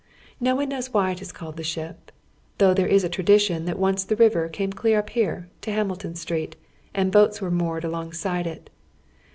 No one knows why it is called ■■The Ship," tboiigb there is a tradition that once the river came clear np here to Hamilton Street, and boats were moored along side it.